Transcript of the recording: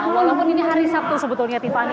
walaupun ini hari sabtu sebetulnya tiffany